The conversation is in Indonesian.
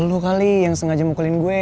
dua kali yang sengaja mukulin gue